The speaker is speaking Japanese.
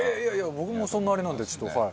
僕もそんなあれなんでちょっとはい。